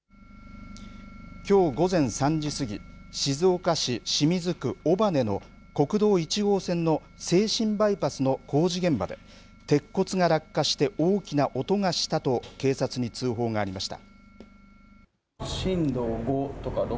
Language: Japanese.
きょう午前３時過ぎ静岡市清水区尾羽の国道１号線の静清バイパスの工事現場で鉄骨が落下して大きな音がしたと警察に通報がありました。